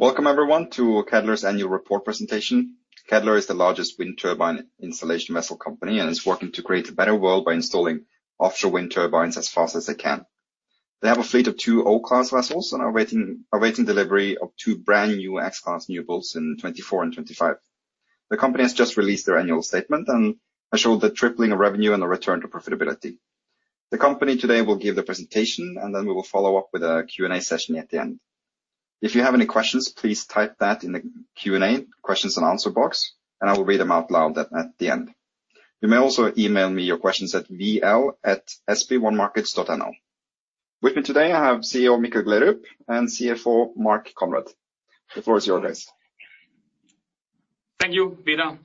Welcome everyone to Cadeler's annual report presentation. Cadeler is the largest wind turbine installation vessel company, and is working to create a better world by installing offshore wind turbines as fast as they can. They have a fleet of two O-class vessels and are waiting delivery of two brand-new X-class newbuilds in 2024 and 2025. The company has just released their annual statement, and it showed the tripling of revenue and a return to profitability. The company today will give the presentation, and then we will follow up with a Q&A session at the end. If you have any questions, please type that in the Q&A, questions and answer box, and I will read them out loud at the end. You may also email me your questions at vl@sb1markets.no. With me today, I have CEO Mikkel Gleerup and CFO Mark Konrad. The floor is yours. Thank you, Vidar.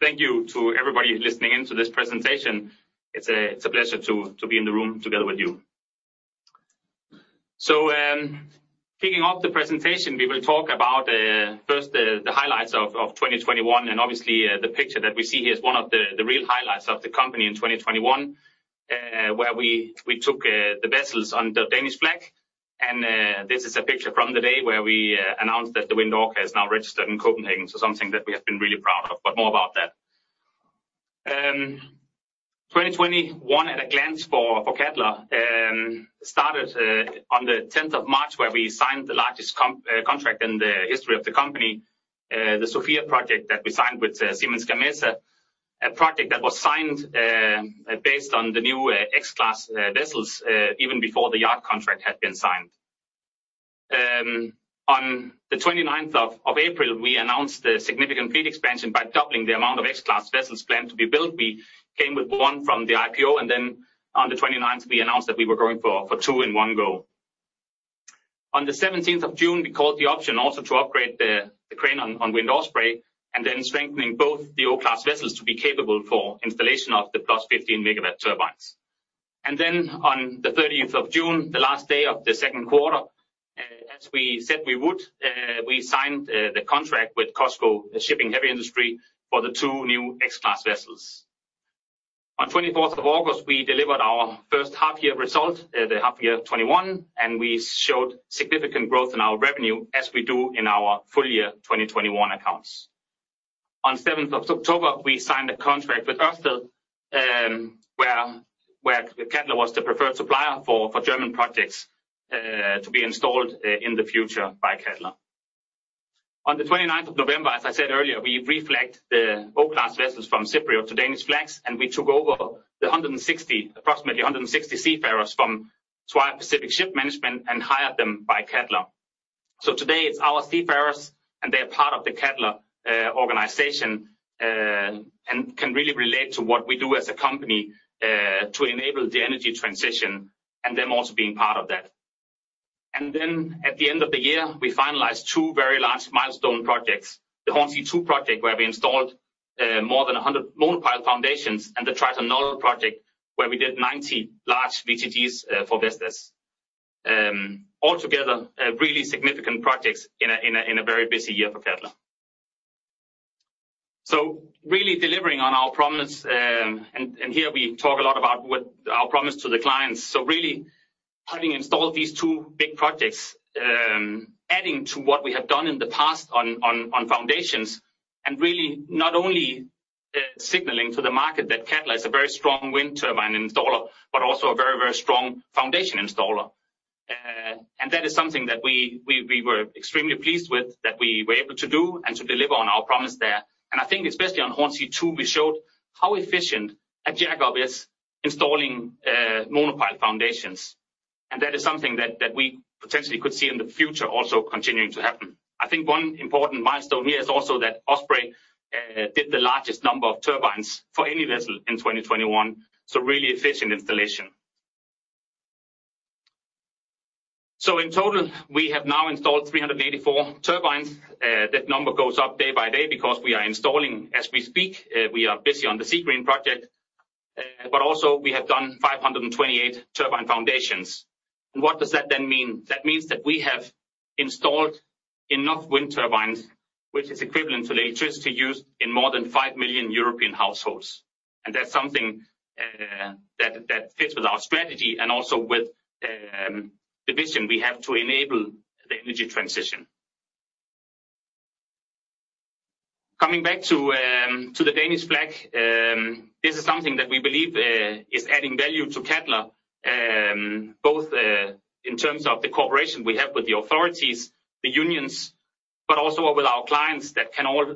Thank you to everybody listening in to this presentation. It's a pleasure to be in the room together with you. Kicking off the presentation, we will talk about first the highlights of 2021, and obviously the picture that we see here is one of the real highlights of the company in 2021, where we took the vessels under Danish flag. This is a picture from the day where we announced that the Wind Orca is now registered in Copenhagen, so something that we have been really proud of, but more about that. 2021 at a glance for Cadeler started on the 10th of March, where we signed the largest contract in the history of the company, the Sofia project that we signed with Siemens Gamesa. A project that was signed based on the new X-class vessels even before the yard contract had been signed. On the 29th of April, we announced a significant fleet expansion by doubling the amount of X-class vessels planned to be built. We came with one from the IPO, and then on the 29th, we announced that we were going for two in one go. On the 17th of June, we called the option also to upgrade the crane on Wind Osprey, and then strengthening both the O-class vessels to be capable for installation of the 15+ MW turbines. On the 30th of June, the last day of the second quarter, as we said we would, we signed the contract with COSCO Shipping Heavy Industry for the 2 new X-class vessels. On the 24th of August, we delivered our first half year result, the half year 2021, and we showed significant growth in our revenue as we do in our full year 2021 accounts. On the 7th of October, we signed a contract with Ørsted, where Cadeler was the preferred supplier for German projects to be installed in the future by Cadeler. On the 29th of November, as I said earlier, we reflagged the O-class vessels from Cypriot to Danish flags, and we took over approximately 160 seafarers from Swire Pacific Ship Management and hired them by Cadeler. Today it's our seafarers, and they are part of the Cadeler organization, and can really relate to what we do as a company to enable the energy transition and them also being part of that. Then at the end of the year, we finalized two very large milestone projects. The Hornsea 2 project, where we installed more than 100 monopile foundations, and the Triton Knoll project, where we did 90 large WTGs for Vestas. Altogether, really significant projects in a very busy year for Cadeler. Really delivering on our promise. Here we talk a lot about what our promise to the clients. Really having installed these two big projects, adding to what we have done in the past on foundations, and really not only signaling to the market that Cadeler is a very strong wind turbine installer, but also a very, very strong foundation installer. That is something that we were extremely pleased with, that we were able to do and to deliver on our promise there. I think especially on Hornsea 2, we showed how efficient a jack-up is installing monopile foundations. That is something that we potentially could see in the future also continuing to happen. I think one important milestone here is also that Osprey did the largest number of turbines for any vessel in 2021, so really efficient installation. In total, we have now installed 384 turbines. That number goes up day by day because we are installing as we speak. We are busy on the Seagreen project. But also we have done 528 turbine foundations. What does that then mean? That means that we have installed enough wind turbines, which is equivalent to the electricity used in more than 5 million European households. That's something that fits with our strategy and also with the vision we have to enable the energy transition. Coming back to the Danish flag, this is something that we believe is adding value to Cadeler, both in terms of the cooperation we have with the authorities, the unions, but also with our clients that can all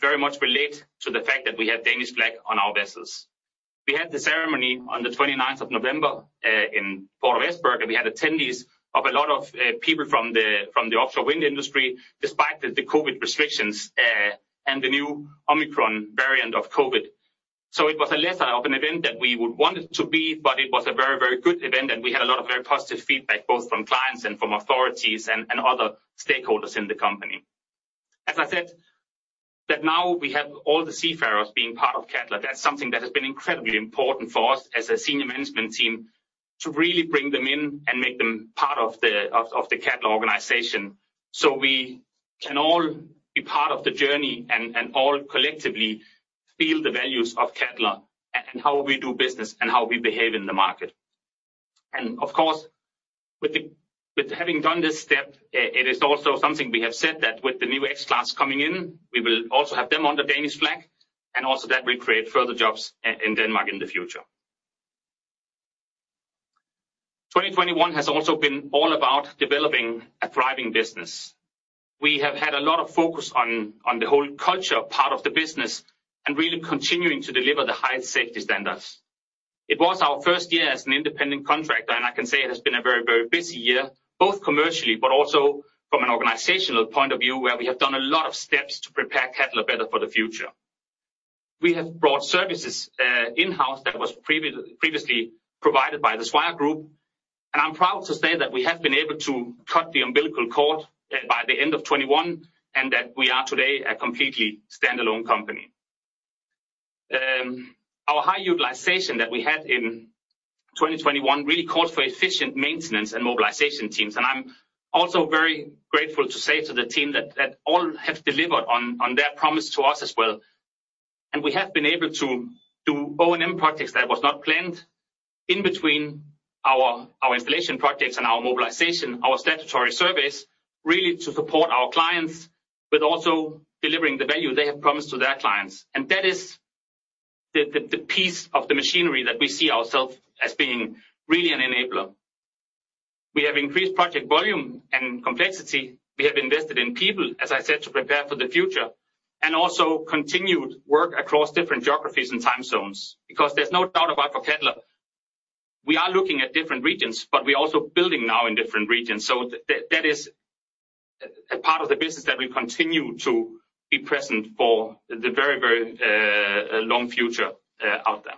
very much relate to the fact that we have Danish flag on our vessels. We had the ceremony on the twenty-ninth of November in Port of Esbjerg, and we had attendees of a lot of people from the offshore wind industry, despite the COVID restrictions and the new Omicron variant of COVID. It was a lesser of an event that we would want it to be, but it was a very, very good event, and we had a lot of very positive feedback, both from clients and from authorities and other stakeholders in the company. As I said, that now we have all the seafarers being part of Cadeler, that's something that has been incredibly important for us as a senior management team. To really bring them in and make them part of the Cadeler organization, so we can all be part of the journey and all collectively feel the values of Cadeler and how we do business and how we behave in the market. Of course, with having done this step, it is also something we have said that with the new X-class coming in, we will also have them on the Danish flag, and also that will create further jobs in Denmark in the future. 2021 has also been all about developing a thriving business. We have had a lot of focus on the whole culture part of the business and really continuing to deliver the highest safety standards. It was our first year as an independent contractor, and I can say it has been a very busy year, both commercially but also from an organizational point of view, where we have done a lot of steps to prepare Cadeler better for the future. We have brought services in-house that was previously provided by the Swire Group, and I'm proud to say that we have been able to cut the umbilical cord by the end of 2021, and that we are today a completely standalone company. Our high utilization that we had in 2021 really called for efficient maintenance and mobilization teams, and I'm also very grateful to say to the team that all have delivered on their promise to us as well. We have been able to do O&M projects that was not planned in between our installation projects and our mobilization, our statutory surveys, really to support our clients with also delivering the value they have promised to their clients. That is the piece of the machinery that we see ourselves as being really an enabler. We have increased project volume and complexity. We have invested in people, as I said, to prepare for the future, and also continued work across different geographies and time zones. Because there's no doubt about for Cadeler, we are looking at different regions, but we're also building now in different regions. That is a part of the business that we continue to be present for the very long future out there.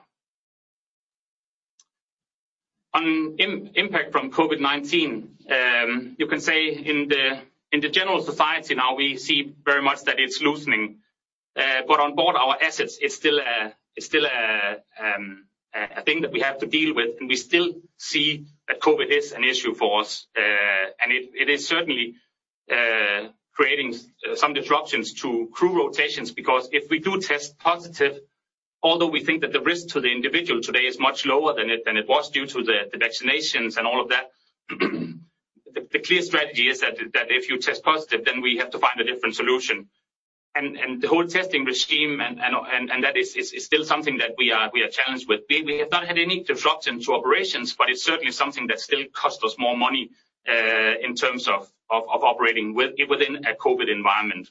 On impact from COVID-19, you can say in the general society now, we see very much that it's loosening. On board our assets, it's still a thing that we have to deal with, and we still see that COVID is an issue for us. It is certainly creating some disruptions to crew rotations, because if we do test positive, although we think that the risk to the individual today is much lower than it was due to the vaccinations and all of that, the clear strategy is that if you test positive, then we have to find a different solution. The whole testing regime and that is still something that we are challenged with. We have not had any disruption to operations, but it's certainly something that still costs us more money in terms of operating within a COVID environment.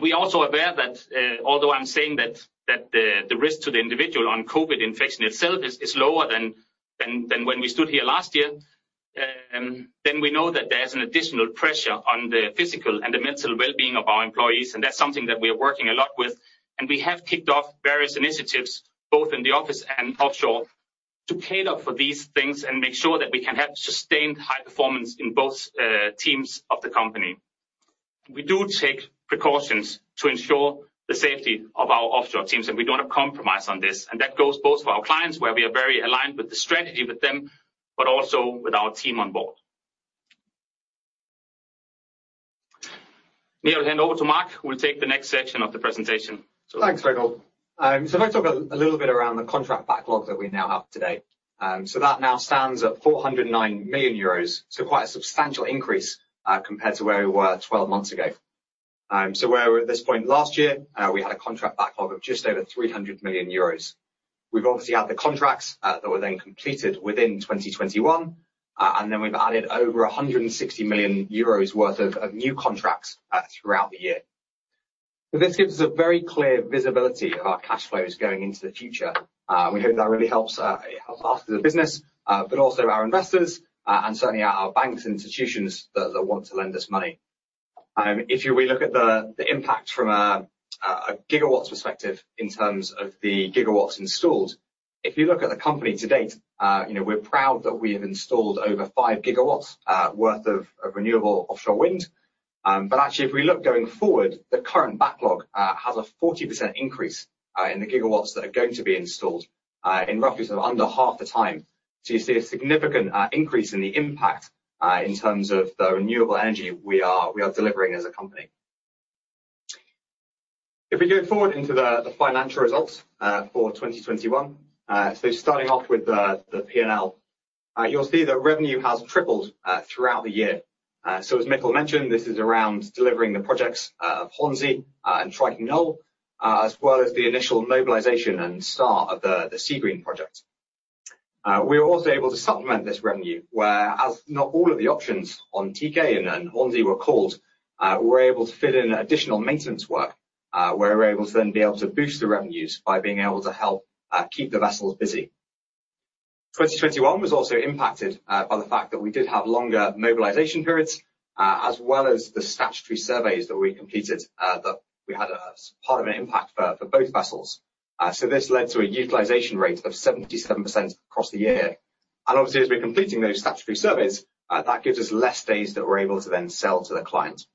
We are also aware that, although I'm saying that the risk to the individual on COVID infection itself is lower than when we stood here last year, then we know that there's an additional pressure on the physical and the mental well-being of our employees, and that's something that we are working a lot with. We have kicked off various initiatives, both in the office and offshore to cater for these things and make sure that we can have sustained high performance in both teams of the company. We do take precautions to ensure the safety of our offshore teams, and we don't compromise on this. That goes both for our clients, where we are very aligned with the strategy with them, but also with our team on board. Me, I'll hand over to Mark, who will take the next section of the presentation. Thanks, Mikkel. If I talk a little bit around the contract backlog that we now have today. That now stands at 409 million euros, so quite a substantial increase, compared to where we were 12 months ago. Where we were at this point last year, we had a contract backlog of just over 300 million euros. We've obviously had the contracts that were then completed within 2021, and then we've added over 160 million euros worth of new contracts throughout the year. This gives us a very clear visibility of our cash flows going into the future. We hope that really helps us as a business, but also our investors, and certainly our banks and institutions that want to lend us money. If you will look at the impact from a gigawatts perspective in terms of the gigawatts installed, if you look at the company to date, you know, we're proud that we have installed over 5 GW worth of renewable offshore wind. Actually, if we look going forward, the current backlog has a 40% increase in the gigawatts that are going to be installed in roughly under half the time. You see a significant increase in the impact in terms of the renewable energy we are delivering as a company. If we go forward into the financial results for 2021, starting off with the P&L, you'll see that revenue has tripled throughout the year. As Mikkel mentioned, this is around delivering the projects of Hornsea and Triton Knoll, as well as the initial mobilization and start of the Seagreen project. We were also able to supplement this revenue, whereas not all of the options on TK and Hornsea were called, we're able to fit in additional maintenance work, where we're able to then be able to boost the revenues by being able to help keep the vessels busy. 2021 was also impacted by the fact that we did have longer mobilization periods, as well as the statutory surveys that we completed, that we had as part of an impact for both vessels. This led to a utilization rate of 77% across the year. Obviously, as we're completing those statutory surveys, that gives us less days that we're able to then sell to the clients.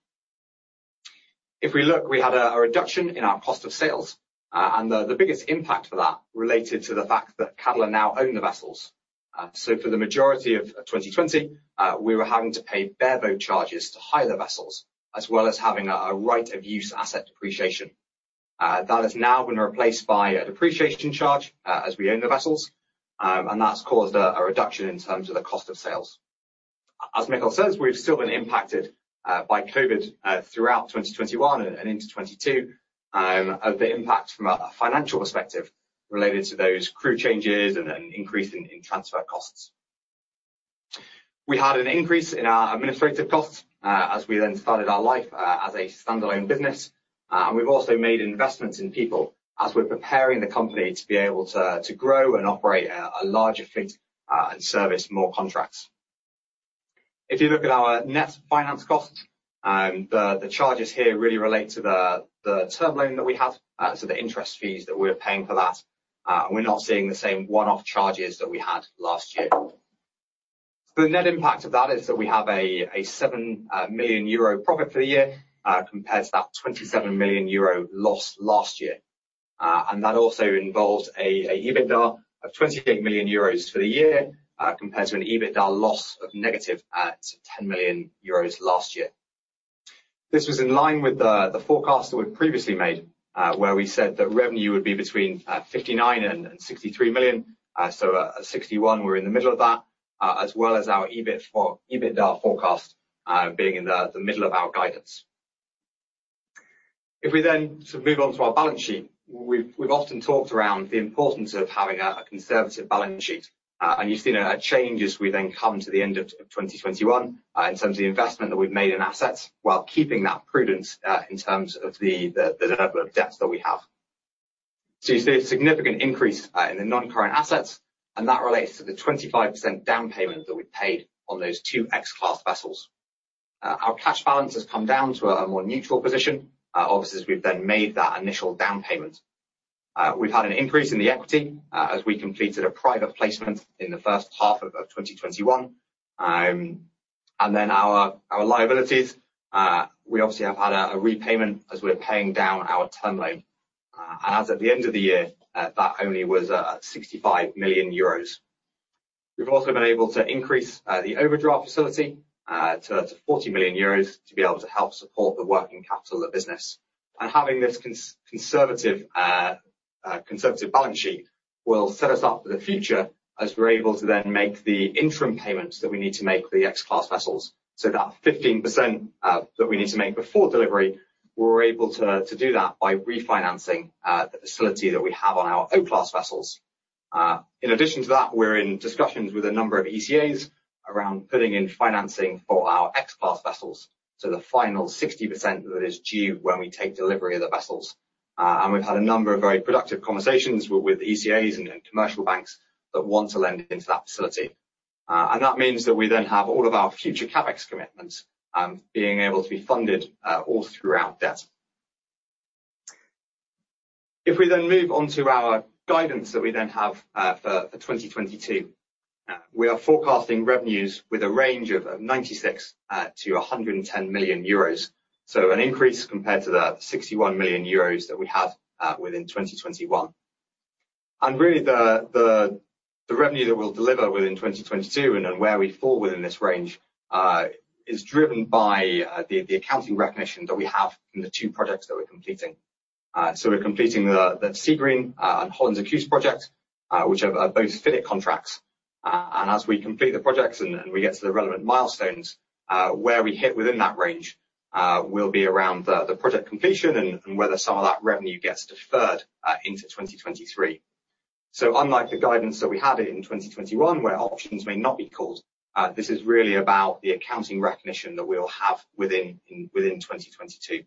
If we look, we had a reduction in our cost of sales, and the biggest impact for that related to the fact that Cadeler now own the vessels. So for the majority of 2020, we were having to pay bareboat charges to hire the vessels, as well as having a right of use asset depreciation. That has now been replaced by a depreciation charge, as we own the vessels, and that's caused a reduction in terms of the cost of sales. As Mikkel says, we've still been impacted by COVID throughout 2021 and into 2020. Of the impact from a financial perspective related to those crew changes and increase in transfer costs. We had an increase in our administrative costs, as we then started our life as a stand-alone business. We've also made investments in people as we're preparing the company to be able to grow and operate a larger fleet and service more contracts. If you look at our net finance costs, the charges here really relate to the term loan that we have, so the interest fees that we're paying for that. We're not seeing the same one-off charges that we had last year. The net impact of that is that we have a 7 million euro profit for the year, compared to that 27 million euro loss last year. That also involves an EBITDA of 28 million euros for the year, compared to an EBITDA loss of negative 10 million euros last year. This was in line with the forecast that we'd previously made, where we said that revenue would be between 59 million and 63 million. At 61 million, we're in the middle of that, as well as our EBITDA forecast being in the middle of our guidance. We move on to our balance sheet. We've often talked about the importance of having a conservative balance sheet. You've seen a change as we then come to the end of 2021 in terms of the investment that we've made in assets while keeping that prudence in terms of the level of debts that we have. You see a significant increase in the non-current assets, and that relates to the 25% down payment that we paid on those two X-class vessels. Our cash balance has come down to a more neutral position, obviously, as we've then made that initial down payment. We've had an increase in the equity as we completed a private placement in the first half of 2021. Our liabilities, we obviously have had a repayment as we're paying down our term loan. As at the end of the year, that only was 65 million euros. We've also been able to increase the overdraft facility to 40 million euros to be able to help support the working capital of the business. Having this conservative balance sheet will set us up for the future as we're able to then make the interim payments that we need to make for the X-class vessels. That 15% that we need to make before delivery, we're able to do that by refinancing the facility that we have on our O-class vessels. In addition to that, we're in discussions with a number of ECAs around putting in financing for our X-class vessels. The final 60% that is due when we take delivery of the vessels. We've had a number of very productive conversations with ECAs and commercial banks that want to lend into that facility. That means that we then have all of our future CapEx commitments being able to be funded all through our debt. If we then move on to our guidance that we then have for 2022. We are forecasting revenues with a range of 96 million-110 million euros. An increase compared to the 61 million euros that we have within 2021. Really the revenue that we'll deliver within 2022 and where we fall within this range is driven by the accounting recognition that we have from the two projects that we're completing. We're completing the Seagreen and Hollandse Kust projects, which are both FIDIC contracts. As we complete the projects and we get to the relevant milestones, where we hit within that range, will be around the project completion and whether some of that revenue gets deferred into 2023. Unlike the guidance that we had in 2021, where options may not be called, this is really about the accounting recognition that we'll have within 2022.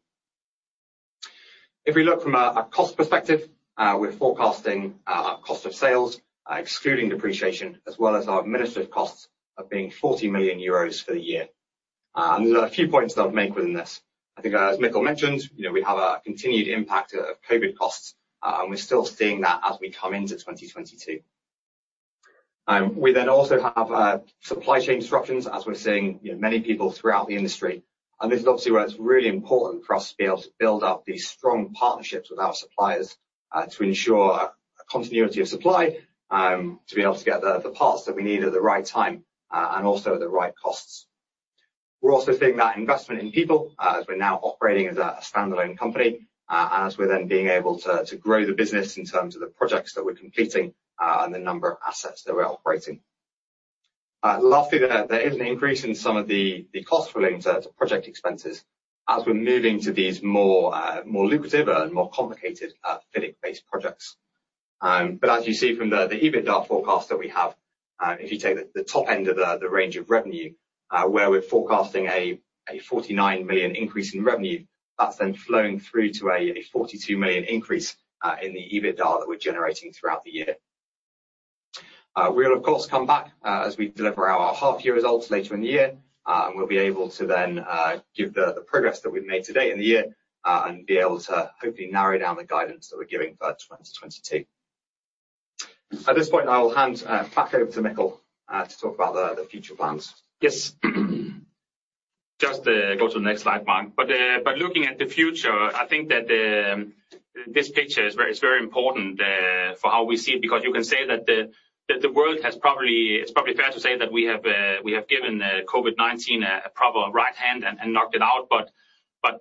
If we look from a cost perspective, we're forecasting our cost of sales, excluding depreciation, as well as our administrative costs of being 40 million euros for the year. There's a few points that I'll make within this. I think, as Mikkel mentioned, you know, we have a continued impact of COVID costs, and we're still seeing that as we come into 2022. We also have supply chain disruptions as we're seeing, you know, many people throughout the industry. This is obviously where it's really important for us to be able to build up these strong partnerships with our suppliers, to ensure a continuity of supply, to be able to get the parts that we need at the right time, and also the right costs. We're also seeing that investment in people, as we're now operating as a stand-alone company, as we're then being able to grow the business in terms of the projects that we're completing, and the number of assets that we're operating. Lastly, there is an increase in some of the costs relating to project expenses as we're moving to these more lucrative and more complicated FIDIC-based projects. As you see from the EBITDA forecast that we have, if you take the top end of the range of revenue, where we're forecasting a 49 million increase in revenue, that's then flowing through to a 42 million increase in the EBITDA that we're generating throughout the year. We'll of course come back as we deliver our half year results later in the year. We'll be able to then give the progress that we've made to date in the year and be able to hopefully narrow down the guidance that we're giving for 2022. At this point, I will hand back over to Mikkel to talk about the future plans. Yes. Just go to the next slide, Mark. Looking at the future, I think that this picture is very important for how we see it because you can say that the world has probably. It's probably fair to say that we have given COVID-19 a proper right hand and knocked it out.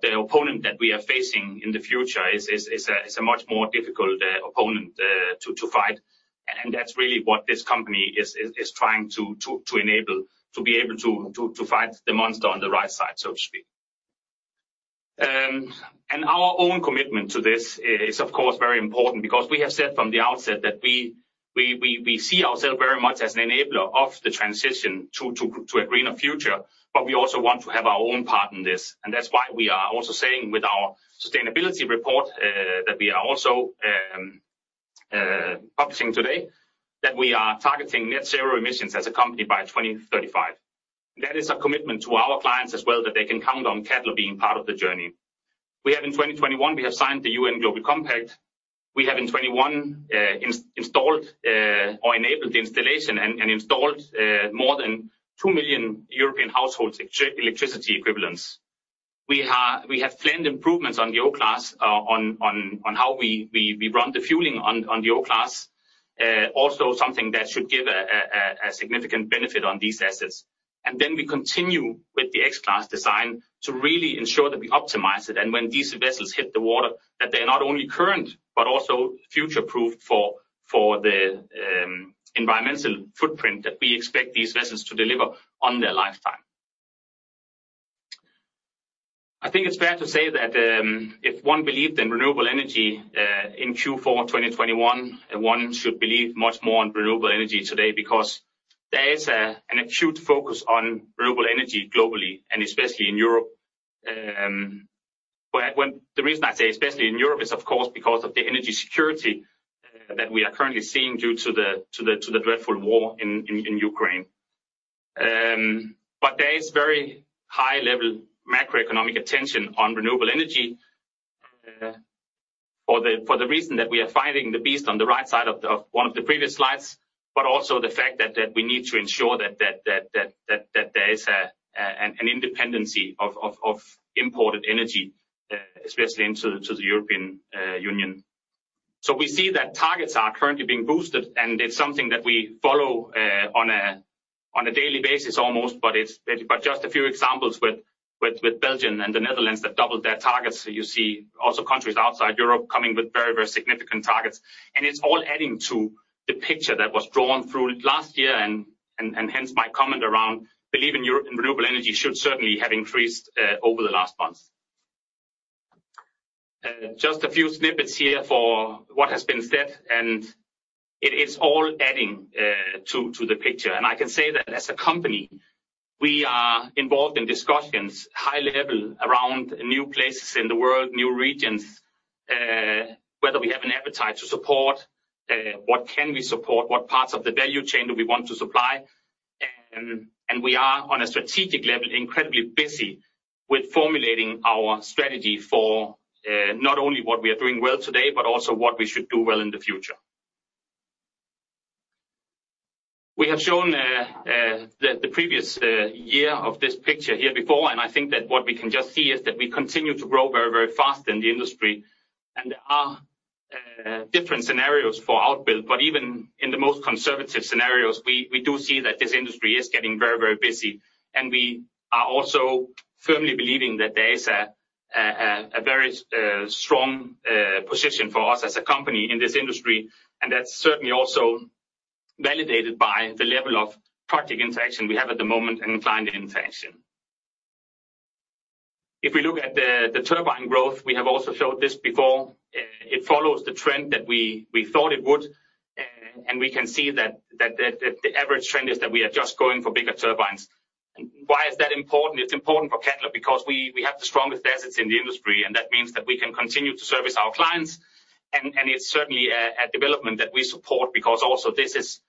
The opponent that we are facing in the future is a much more difficult opponent to fight. That's really what this company is trying to enable, to be able to fight the monster on the right side, so to speak. Our own commitment to this is, of course, very important because we have said from the outset that we see ourself very much as an enabler of the transition to a greener future, but we also want to have our own part in this. That's why we are also saying with our sustainability report that we are also publishing today, that we are targeting Net Zero emissions as a company by 2035. That is a commitment to our clients as well, that they can count on Cadeler being part of the journey. We have in 2021 signed the UN Global Compact. We have in 2021 installed or enabled the installation and installed more than 2 million European households electricity equivalents. We have planned improvements on the O-class, on how we run the fueling on the O-class. Also something that should give a significant benefit on these assets. We continue with the X-class design to really ensure that we optimize it, and when these vessels hit the water, that they're not only current, but also future-proof for the environmental footprint that we expect these vessels to deliver on their lifetime. I think it's fair to say that if one believed in renewable energy in Q4 2021, one should believe much more on renewable energy today because there is an acute focus on renewable energy globally, and especially in Europe. The reason I say especially in Europe is, of course, because of the energy security that we are currently seeing due to the dreadful war in Ukraine. There is very high-level macroeconomic attention on renewable energy for the reason that we are fighting the beast on the right side of one of the previous slides, but also the fact that we need to ensure that there is an independence of imported energy, especially into the European Union. We see that targets are currently being boosted, and it's something that we follow on a daily basis almost, but just a few examples with Belgium and the Netherlands that doubled their targets. You see also countries outside Europe coming with very, very significant targets. It's all adding to the picture that was drawn through last year and hence my comment around belief in Europe and renewable energy should certainly have increased over the last months. Just a few snippets here for what has been said, and it is all adding to the picture. I can say that as a company, we are involved in discussions, high level, around new places in the world, new regions, whether we have an appetite to support what can we support, what parts of the value chain do we want to supply, and we are on a strategic level incredibly busy with formulating our strategy for not only what we are doing well today, but also what we should do well in the future. We have shown the previous year of this picture here before. I think that what we can just see is that we continue to grow very, very fast in the industry. There are different scenarios for outbuild, but even in the most conservative scenarios, we do see that this industry is getting very, very busy. We are also firmly believing that there is a very strong position for us as a company in this industry, and that's certainly also validated by the level of project interaction we have at the moment and client interaction. If we look at the turbine growth, we have also showed this before. It follows the trend that we thought it would, and we can see that the average trend is that we are just going for bigger turbines. Why is that important? It's important for Cadeler because we have the strongest assets in the industry, and that means that we can continue to service our clients. It's certainly a development that we support because also this is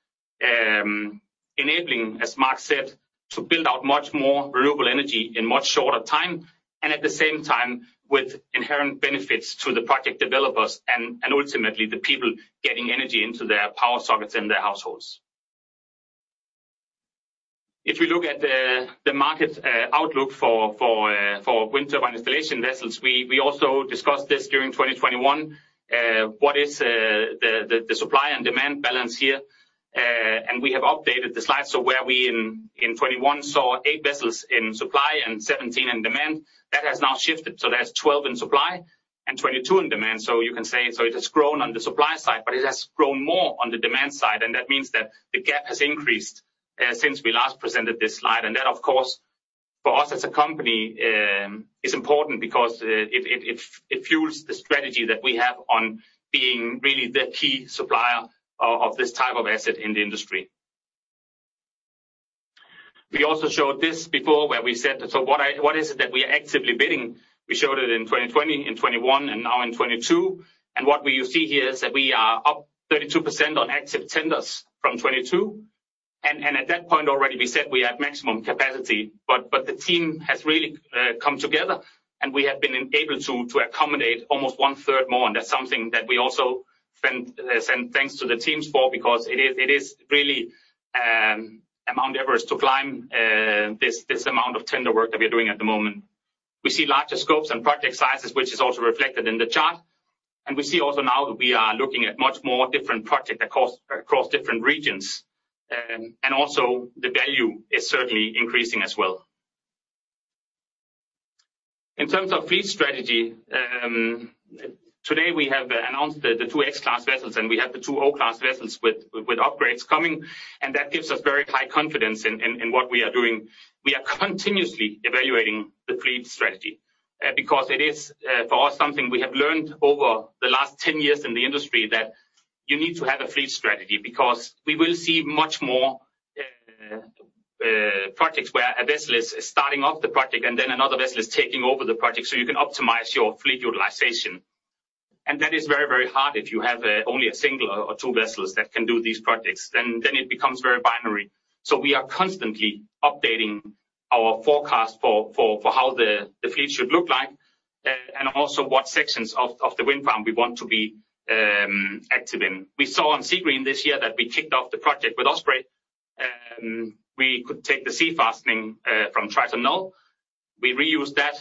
enabling, as MarK said, to build out much more renewable energy in much shorter time, and at the same time, with inherent benefits to the project developers and ultimately the people getting energy into their power sockets in their households. If you look at the market outlook for wind turbine installation vessels, we also discussed this during 2021. What is the supply and demand balance here? We have updated the slide. Where we in 2021 saw 8 vessels in supply and 17 in demand, that has now shifted. There's 12 in supply and 22 in demand. You can say it has grown on the supply side, but it has grown more on the demand side, and that means that the gap has increased since we last presented this slide. That, of course, for us as a company, is important because it fuels the strategy that we have on being really the key supplier of this type of asset in the industry. We also showed this before where we said, "So what is it that we are actively bidding?" We showed it in 2020, in 2021, and now in 2022. What we see here is that we are up 32% on active tenders from 2022. At that point already we said we had maximum capacity, but the team has really come together, and we have been able to accommodate almost 1/3 more, and that's something that we also send thanks to the teams for because it is really a Mount Everest to climb this amount of tender work that we're doing at the moment. We see larger scopes and project sizes, which is also reflected in the chart. We see also now that we are looking at much more different project across different regions. The value is certainly increasing as well. In terms of fleet strategy, today we have announced the two X-class vessels, and we have the two O-class vessels with upgrades coming, and that gives us very high confidence in what we are doing. We are continuously evaluating the fleet strategy, because it is, for us, something we have learned over the last 10 years in the industry that you need to have a fleet strategy because we will see much more projects where a vessel is starting off the project and then another vessel is taking over the project, so you can optimize your fleet utilization. That is very hard if you have only a single or two vessels that can do these projects, then it becomes very binary. We are constantly updating our forecast for how the fleet should look like, and also what sections of the wind farm we want to be active in. We saw on Seagreen this year that we kicked off the project with Osprey. We could take the sea fastening from Triton Knoll. We reused that.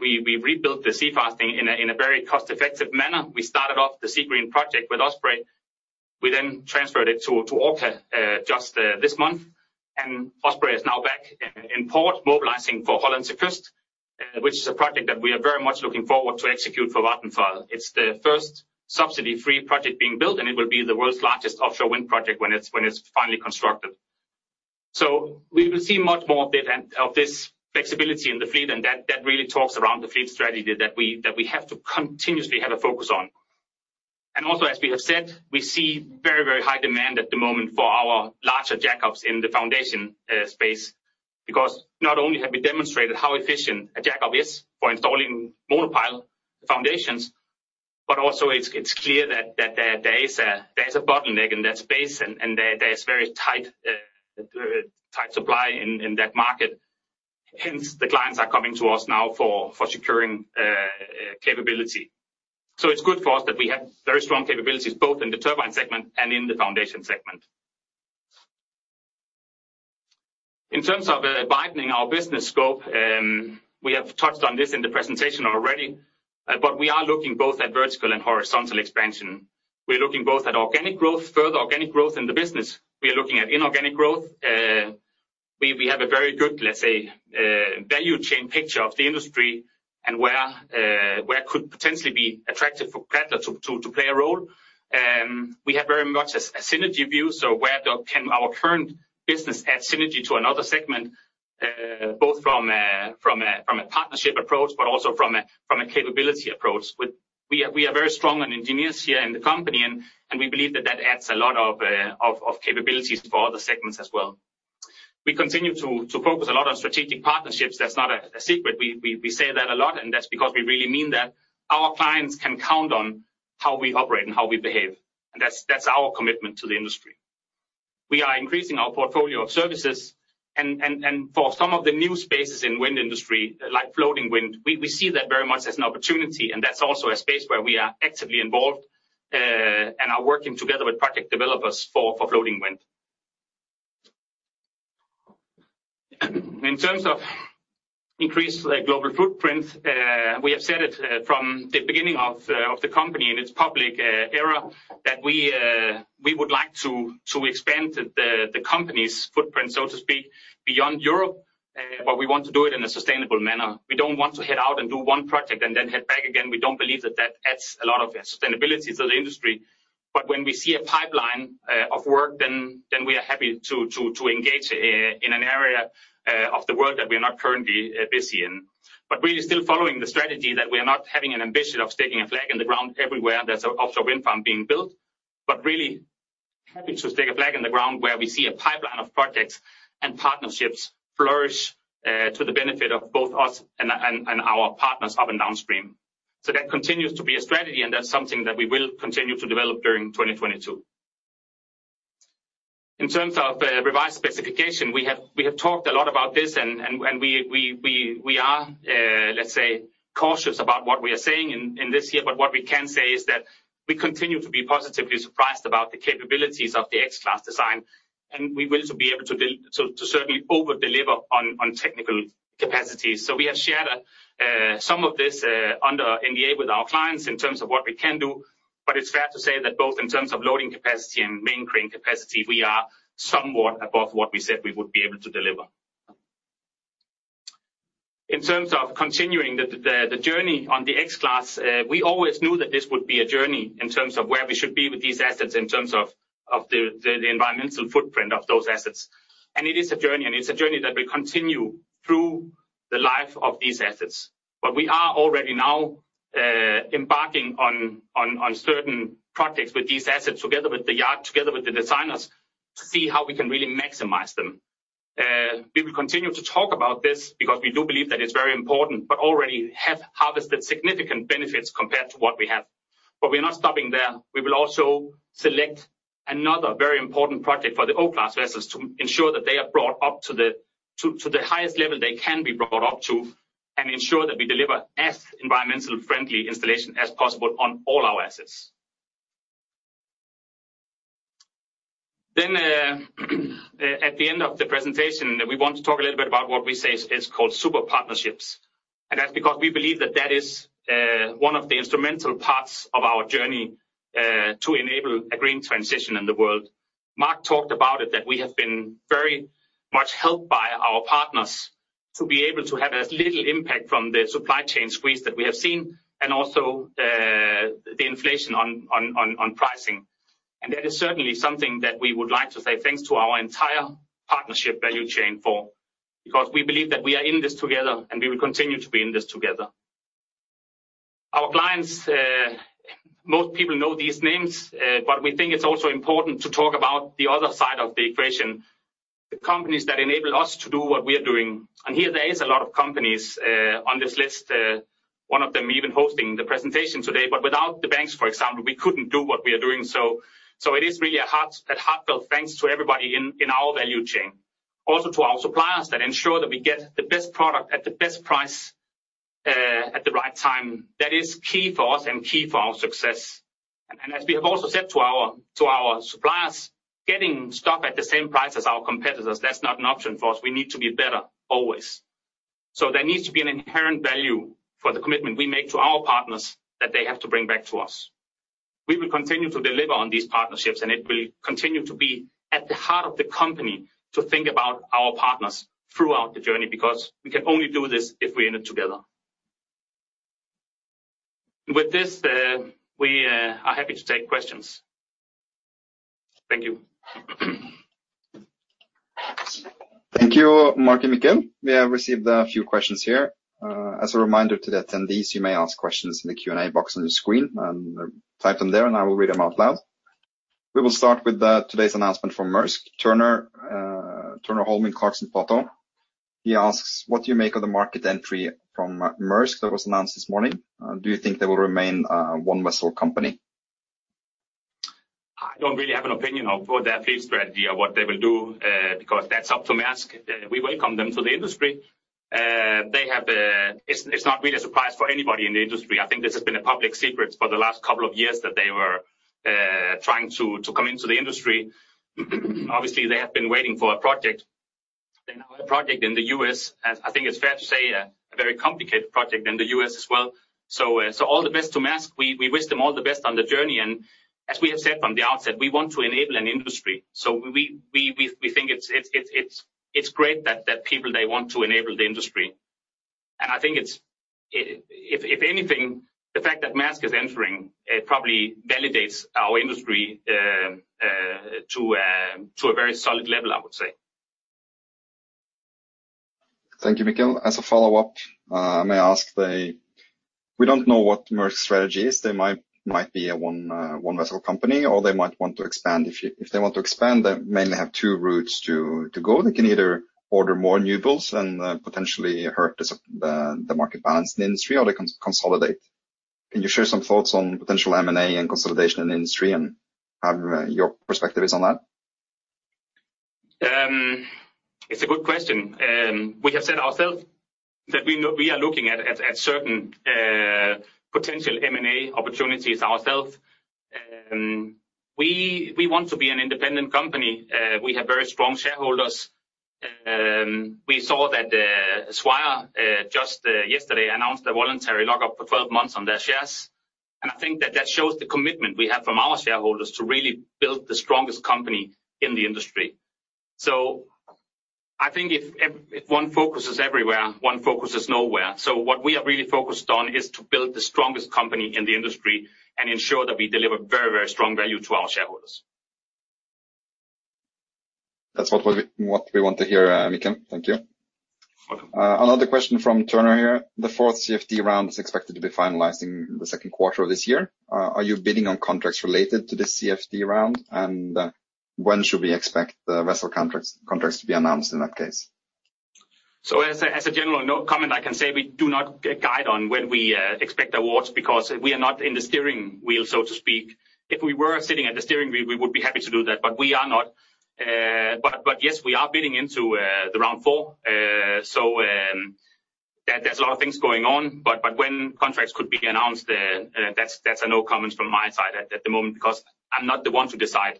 We rebuilt the sea fastening in a very cost-effective manner. We started off the Seagreen project with Osprey. We then transferred it to Orca just this month. Osprey is now back in port, mobilizing for Hollandse Kust, which is a project that we are very much looking forward to execute for Vattenfall. It's the first subsidy-free project being built, and it will be the world's largest offshore wind project when it's finally constructed. We will see much more of that and of this flexibility in the fleet, and that really talks around the fleet strategy that we have to continuously have a focus on. Also as we have said, we see very, very high demand at the moment for our larger jack-ups in the foundation space. Because not only have we demonstrated how efficient a jack-up is for installing monopile foundations, but also it's clear that there is a bottleneck in that space and there is very tight supply in that market. Hence, the clients are coming to us now for securing capability. It's good for us that we have very strong capabilities both in the Turbine segment and in the Foundation segment. In terms of widening our business scope, we have touched on this in the presentation already, but we are looking both at vertical and horizontal expansion. We're looking both at organic growth, further organic growth in the business. We are looking at inorganic growth. We have a very good, let's say, value chain picture of the industry and where could potentially be attractive for Cadeler to play a role. We have very much a synergy view, so where can our current business add synergy to another segment, both from a partnership approach, but also from a capability approach. We are very strong on engineers here in the company and we believe that adds a lot of capabilities for other segments as well. We continue to focus a lot on strategic partnerships. That's not a secret. We say that a lot, and that's because we really mean that our clients can count on how we operate and how we behave. That's our commitment to the industry. We are increasing our portfolio of services and for some of the new spaces in wind industry, like floating wind, we see that very much as an opportunity, and that's also a space where we are actively involved and are working together with project developers for floating wind. In terms of increased global footprint, we have said it from the beginning of the company in its public era that we would like to expand the company's footprint, so to speak, beyond Europe, but we want to do it in a sustainable manner. We don't want to head out and do one project and then head back again. We don't believe that adds a lot of sustainability to the industry. When we see a pipeline of work, then we are happy to engage in an area of the world that we are not currently busy in. We are still following the strategy that we are not having an ambition of sticking a flag in the ground everywhere there's a offshore wind farm being built, but really happy to stick a flag in the ground where we see a pipeline of projects and partnerships flourish, to the benefit of both us and our partners up and downstream. That continues to be a strategy, and that's something that we will continue to develop during 2022. In terms of revised specification, we have talked a lot about this and we are, let's say, cautious about what we are saying in this here, but what we can say is that we continue to be positively surprised about the capabilities of the X-class design, and we will be able to certainly over-deliver on technical capacity. We have shared some of this under NDA with our clients in terms of what we can do, but it's fair to say that both in terms of loading capacity and main crane capacity, we are somewhat above what we said we would be able to deliver. In terms of continuing the journey on the X-class, we always knew that this would be a journey in terms of where we should be with these assets, in terms of the environmental footprint of those assets. It is a journey, and it's a journey that will continue through the life of these assets. We are already now embarking on certain projects with these assets together with the yard, together with the designers, to see how we can really maximize them. We will continue to talk about this because we do believe that it's very important, but we already have harvested significant benefits compared to what we have. We're not stopping there. We will also select another very important project for the O-class vessels to ensure that they are brought up to the highest level they can be brought up to, and ensure that we deliver as environmentally friendly installation as possible on all our assets. At the end of the presentation, we want to talk a little bit about what we say is called super partnerships. That's because we believe that is one of the instrumental parts of our journey to enable a green transition in the world. Mark talked about it, that we have been very much helped by our partners to be able to have as little impact from the supply chain squeeze that we have seen and also the inflation on pricing. That is certainly something that we would like to say thanks to our entire partnership value chain for. Because we believe that we are in this together, and we will continue to be in this together. Our clients, most people know these names, but we think it's also important to talk about the other side of the equation, the companies that enable us to do what we are doing. Here there is a lot of companies on this list, one of them even hosting the presentation today, but without the banks, for example, we couldn't do what we are doing. It is really a heartfelt thanks to everybody in our value chain. Also to our suppliers that ensure that we get the best product at the best price, at the right time. That is key for us and key for our success. As we have also said to our suppliers, getting stuff at the same price as our competitors, that's not an option for us. We need to be better always. There needs to be an inherent value for the commitment we make to our partners that they have to bring back to us. We will continue to deliver on these partnerships, and it will continue to be at the heart of the company to think about our partners throughout the journey, because we can only do this if we're in it together. With this, we are happy to take questions. Thank you. Thank you, Mark and Mikkel. We have received a few questions here. As a reminder to the attendees, you may ask questions in the Q&A box on your screen and type them there, and I will read them out loud. We will start with today's announcement from Maersk. Turner Holm in Clarksons Platou. He asks, what do you make of the market entry from Maersk that was announced this morning? Do you think they will remain one vessel company? I don't really have an opinion of what their fleet strategy or what they will do, because that's up to Maersk. We welcome them to the industry. It's not really a surprise for anybody in the industry. I think this has been a public secret for the last couple of years that they were trying to come into the industry. Obviously, they have been waiting for a project. They now have a project in the U.S. I think it's fair to say a very complicated project in the U.S. as well. All the best to Maersk. We wish them all the best on the journey. As we have said from the outset, we want to enable an industry. We think it's great that people they want to enable the industry. I think it's, if anything, the fact that Maersk is entering. It probably validates our industry to a very solid level, I would say. Thank you, Mikkel. As a follow-up, may I ask? We don't know what Maersk's strategy is. They might be a one vessel company, or they might want to expand. If they want to expand, they mainly have two routes to go. They can either order more new builds and potentially hurt the market balance in the industry, or they can consolidate. Can you share some thoughts on potential M&A and consolidation in the industry and how your perspective is on that? It's a good question. We have said ourselves that we know we are looking at certain potential M&A opportunities ourselves. We want to be an independent company. We have very strong shareholders. We saw that Swire just yesterday announced a voluntary lockup for 12 months on their shares. I think that shows the commitment we have from our shareholders to really build the strongest company in the industry. If one focus is everywhere, one focus is nowhere. What we are really focused on is to build the strongest company in the industry and ensure that we deliver very, very strong value to our shareholders. That's what we want to hear, Mikkel. Thank you. Welcome. Another question from Turner here. The fourth CFD round is expected to be finalizing in the second quarter of this year. Are you bidding on contracts related to the CFD round? When should we expect the vessel contracts to be announced in that case? As a general no comment, I can say we do not guide on when we expect awards because we are not in the steering wheel, so to speak. If we were sitting at the steering wheel, we would be happy to do that, but we are not. Yes, we are bidding into the Round 4. There's a lot of things going on, but when contracts could be announced, that's a no comment from my side at the moment because I'm not the one to decide.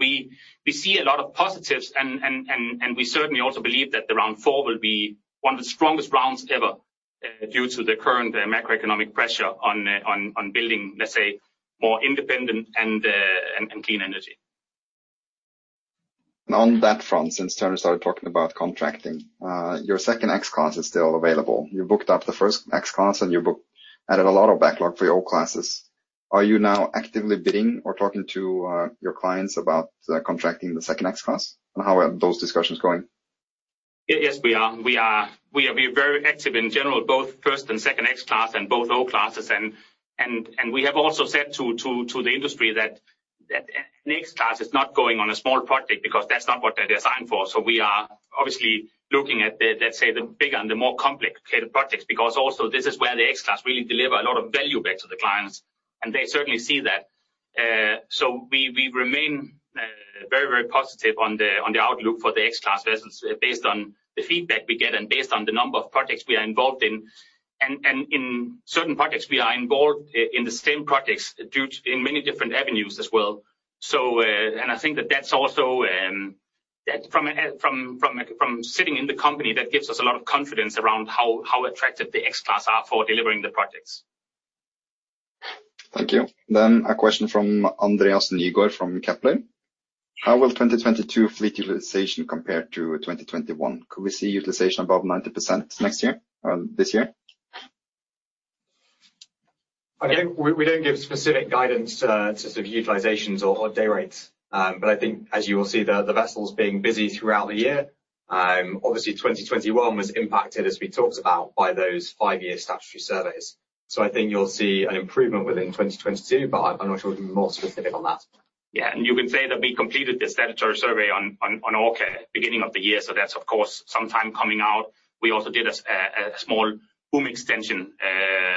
We see a lot of positives and we certainly also believe that the Round 4 will be one of the strongest rounds ever, due to the current macroeconomic pressure on building, let's say, more independent and clean energy. On that front, since Turner started talking about contracting, your second X-class is still available. You booked up the first X-class, and you added a lot of backlog for your O-class. Are you now actively bidding or talking to your clients about contracting the second X-class? And how are those discussions going? We are very active in general, both first and second X-class and both O-class. We have also said to the industry that an X-class is not going on a small project because that's not what they're designed for. We are obviously looking at the, let's say, bigger and the more complicated projects, because also this is where the X-class really deliver a lot of value back to the clients, and they certainly see that. We remain very positive on the outlook for the X-class vessels based on the feedback we get and based on the number of projects we are involved in. In certain projects, we are involved in the same projects through many different avenues as well. I think that that's also that from sitting in the company, that gives us a lot of confidence around how attractive the X-class are for delivering the projects. Thank you. A question from Andreas Nygård from Kepler. How will 2022 fleet utilization compare to 2021? Could we see utilization above 90% next year, this year? Again, we don't give specific guidance to sort of utilizations or day rates. I think as you will see the vessels being busy throughout the year. Obviously 2021 was impacted, as we talked about, by those five-year statutory surveys. I think you'll see an improvement within 2022, but I'm not sure we can be more specific on that. You can say that we completed the statutory survey on Orca beginning of the year. That's of course some time ago. We also did a small boom extension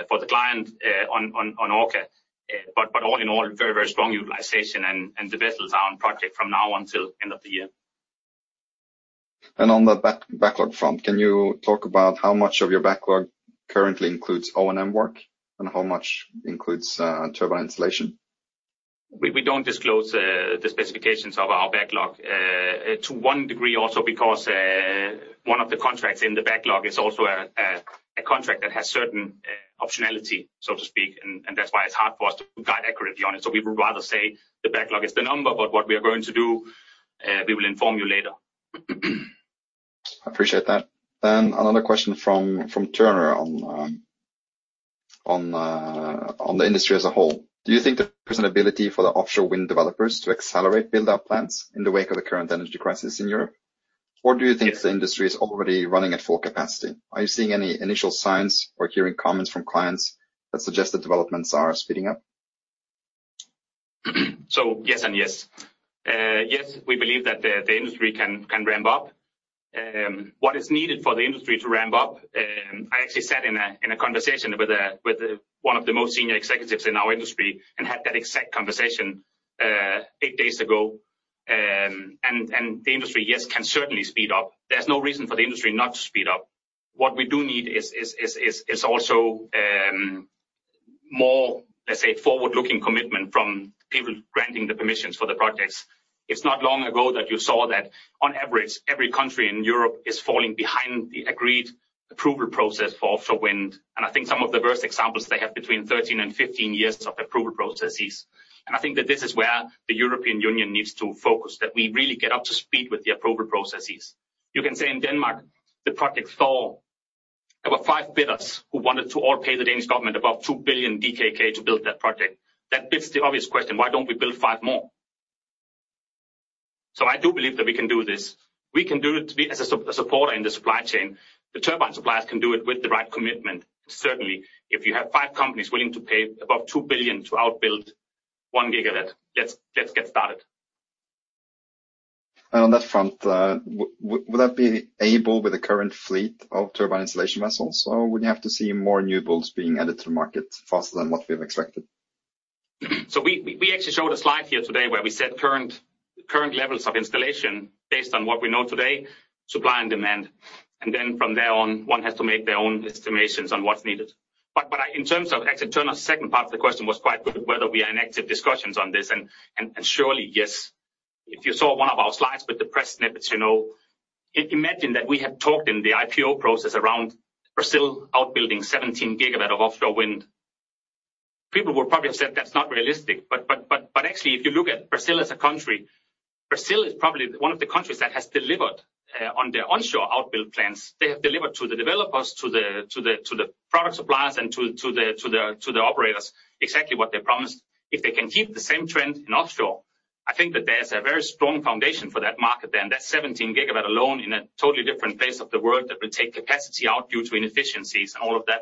for the client on Orca. All in all, very strong utilization and the vessels are on project from now until end of the year. On the backlog front, can you talk about how much of your backlog currently includes O&M work and how much includes turbine installation? We don't disclose the specifications of our backlog to one degree also because one of the contracts in the backlog is also a contract that has certain optionality, so to speak. That's why it's hard for us to guide accurately on it. We would rather say the backlog is the number, but what we are going to do, we will inform you later. Appreciate that. Another question from Turner on the industry as a whole. Do you think there is an ability for the offshore wind developers to accelerate build-out plans in the wake of the current energy crisis in Europe? Or do you think the industry is already running at full capacity? Are you seeing any initial signs or hearing comments from clients that suggest the developments are speeding up? Yes and yes. Yes, we believe that the industry can ramp up. What is needed for the industry to ramp up, I actually said in a conversation with one of the most senior executives in our industry and had that exact conversation eight days ago. The industry yes can certainly speed up. There's no reason for the industry not to speed up. What we do need is also more, let's say, forward-looking commitment from people granting the permissions for the projects. It's not long ago that you saw that on average, every country in Europe is falling behind the agreed approval process for offshore wind. I think some of the worst examples they have between 13 and 15 years of approval processes. I think that this is where the European Union needs to focus, that we really get up to speed with the approval processes. You can say in Denmark, the project Thor, there were five bidders who wanted to all pay the Danish government above 2 billion DKK to build that project. That begs the obvious question, why don't we build five more? I do believe that we can do this. We can do it to be as a supporter in the supply chain. The turbine suppliers can do it with the right commitment. Certainly, if you have five companies willing to pay above 2 billion to outbid one gigawatt, let's get started. On that front, would that be able with the current fleet of turbine installation vessels, or would you have to see more new builds being added to the market faster than what we have expected? We actually showed a slide here today where we set current levels of installation based on what we know today, supply and demand. Then from there on, one has to make their own estimations on what's needed. Actually, Turner's second part of the question was quite good, whether we are in active discussions on this and surely, yes. If you saw one of our slides with the press snippets, you know. Imagine that we had talked in the IPO process around Brazil outbuilding 17 GW of offshore wind. People would probably have said that's not realistic. Actually, if you look at Brazil as a country, Brazil is probably one of the countries that has delivered on their onshore outbuild plans. They have delivered to the developers, to the product suppliers, and to the operators exactly what they promised. If they can keep the same trend in offshore, I think that there's a very strong foundation for that market then. That's 17 GW alone in a totally different place of the world that will take capacity out due to inefficiencies and all of that.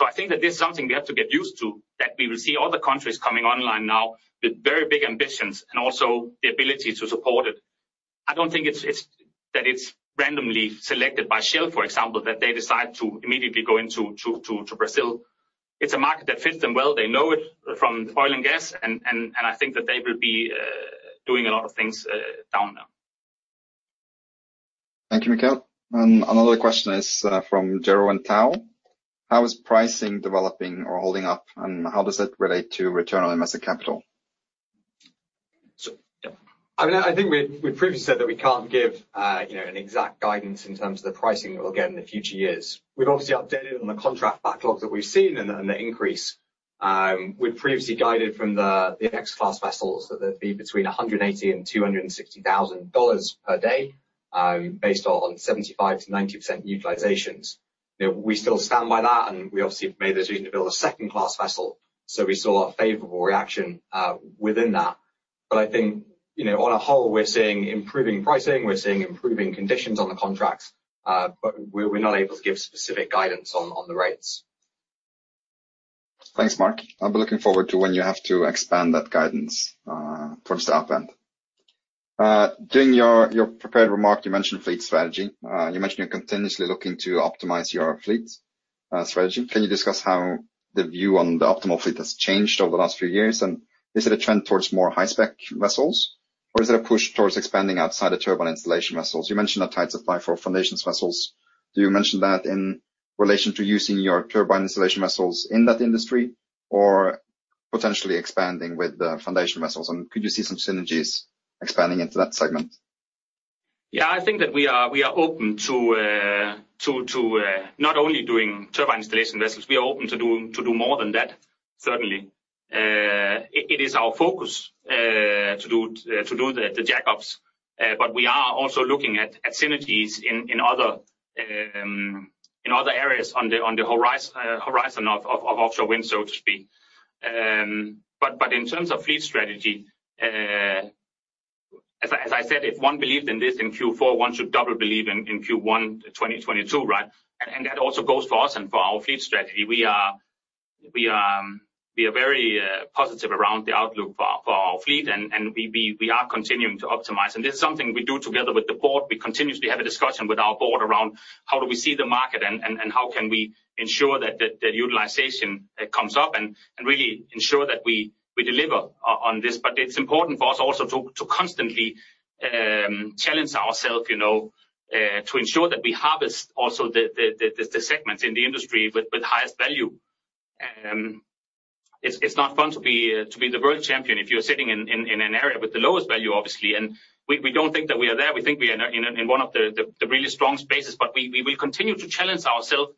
I think that this is something we have to get used to, that we will see other countries coming online now with very big ambitions and also the ability to support it. I don't think it's that it's randomly selected by Shell, for example, that they decide to immediately go into Brazil. It's a market that fits them well. They know it from oil and gas, and I think that they will be doing a lot of things down there. Thank you, Mikkel. Another question is from [Gerwyn Tao]: How is pricing developing or holding up, and how does it relate to return on invested capital? Yeah. I mean, I think we previously said that we can't give you know, an exact guidance in terms of the pricing that we'll get in the future years. We've obviously updated on the contract backlog that we've seen and the increase. We've previously guided from the X-class vessels that they'd be between $180,000 and $260,000 per day, based on 75%-90% utilizations. You know, we still stand by that, and we obviously have made the decision to build a second X-class vessel. We saw a favorable reaction within that. But I think, you know, on the whole, we're seeing improving pricing, we're seeing improving conditions on the contracts. But we're not able to give specific guidance on the rates. Thanks, Mark. I'll be looking forward to when you have to expand that guidance from the up end. During your prepared remark, you mentioned fleet strategy. You mentioned you're continuously looking to optimize your fleet strategy. Can you discuss how the view on the optimal fleet has changed over the last few years? Is it a trend towards more high-spec vessels, or is it a push towards expanding outside the turbine installation vessels? You mentioned a tight supply for foundations vessels. Do you mention that in relation to using your turbine installation vessels in that industry or potentially expanding with the foundation vessels? Could you see some synergies expanding into that segment? Yeah, I think that we are open to not only doing turbine installation vessels, we are open to do more than that, certainly. It is our focus to do the jack-ups. We are also looking at synergies in other areas on the horizon of offshore wind, so to speak. In terms of fleet strategy, as I said, if one believed in this in Q4, one should double believe in Q1 2022, right? That also goes for us and for our fleet strategy. We are very positive around the outlook for our fleet, and we are continuing to optimize. This is something we do together with the board. We continuously have a discussion with our board around how do we see the market and how can we ensure that the utilization comes up and really ensure that we deliver on this. It's important for us also to constantly challenge ourself, you know, to ensure that we harvest also the segments in the industry with highest value. It's not fun to be the world champion if you're sitting in an area with the lowest value, obviously. We don't think that we are there. We think we are in one of the really strong spaces. We will continue to challenge ourself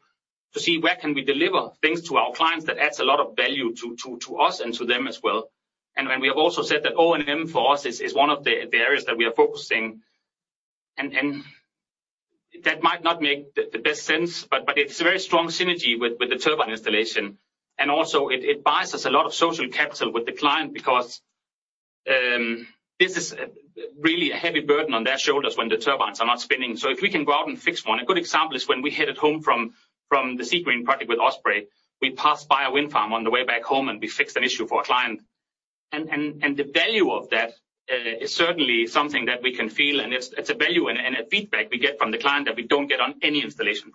to see where can we deliver things to our clients that adds a lot of value to us and to them as well. When we have also said that O&M for us is one of the areas that we are focusing, and that might not make the best sense, but it's a very strong synergy with the turbine installation. Also it buys us a lot of social capital with the client because this is really a heavy burden on their shoulders when the turbines are not spinning. If we can go out and fix one. A good example is when we headed home from the Seagreen project with Osprey, we passed by a wind farm on the way back home, and we fixed an issue for a client. The value of that is certainly something that we can feel, and it's a value and a feedback we get from the client that we don't get on any installation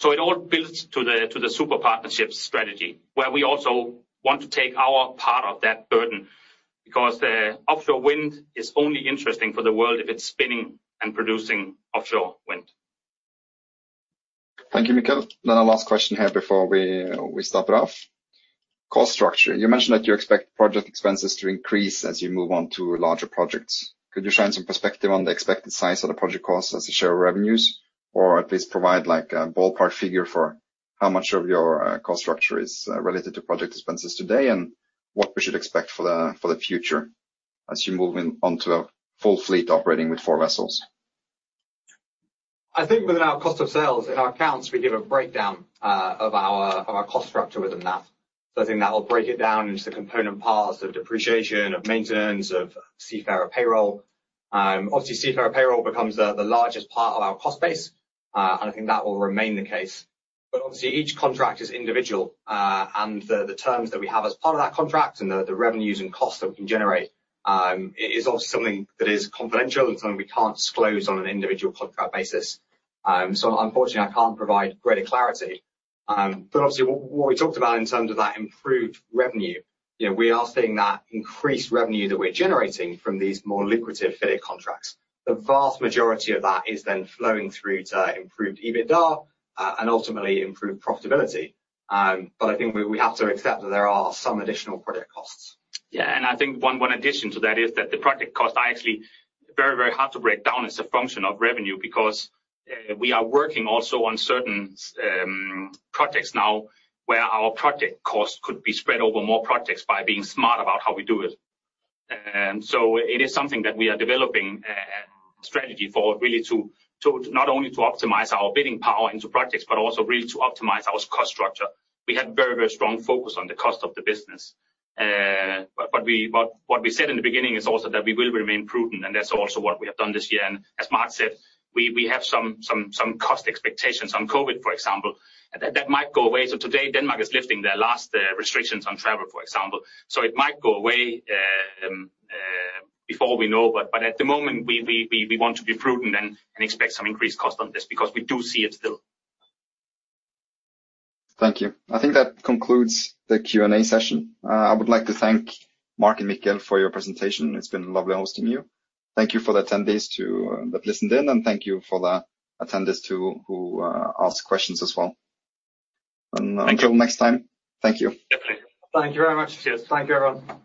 project. It all builds to the super partnerships strategy, where we also want to take our part of that burden because the offshore wind is only interesting for the world if it's spinning and producing offshore wind. Thank you, Mikkel. Our last question here before we start it off. Cost structure. You mentioned that you expect project expenses to increase as you move on to larger projects. Could you shine some perspective on the expected size of the project costs as a share of revenues, or at least provide like a ballpark figure for how much of your cost structure is related to project expenses today, and what we should expect for the future as you move onto a full fleet operating with four vessels? I think within our cost of sales in our accounts, we give a breakdown of our cost structure within that. I think that will break it down into the component parts of depreciation, of maintenance, of seafarer payroll. Obviously, seafarer payroll becomes the largest part of our cost base, and I think that will remain the case. Obviously, each contract is individual, and the terms that we have as part of that contract and the revenues and costs that we can generate is also something that is confidential and something we can't disclose on an individual contract basis. Unfortunately, I can't provide greater clarity. Obviously what we talked about in terms of that improved revenue, you know, we are seeing that increased revenue that we're generating from these more lucrative FIDIC contracts. The vast majority of that is then flowing through to improved EBITDA, and ultimately improved profitability. I think we have to accept that there are some additional project costs. I think one addition to that is that the project costs are actually very, very hard to break down as a function of revenue because we are working also on certain projects now where our project costs could be spread over more projects by being smart about how we do it. It is something that we are developing a strategy for really to not only optimize our bidding power into projects, but also really to optimize our cost structure. We have very, very strong focus on the cost of the business. What we said in the beginning is also that we will remain prudent, and that's also what we have done this year. As Mark said, we have some cost expectations on COVID, for example. That might go away. Today, Denmark is lifting their last restrictions on travel, for example. It might go away before we know. At the moment, we want to be prudent and expect some increased cost on this because we do see it still. Thank you. I think that concludes the Q&A session. I would like to thank Mark and Mikkel for your presentation. It's been lovely hosting you. Thank you to the attendees who listened in, and thank you to the attendees who asked questions as well. Thank you. Until next time. Thank you. Definitely. Thank you very much. Cheers. Thank you, everyone.